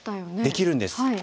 できるんです。